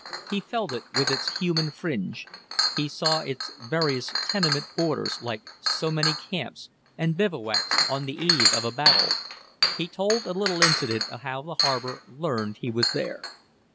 He felt it with its human fringe, he saw its various tenement borders like so many camps and bivouacs on the eve of a battle. He told a little incident of how the harbor learned he was here.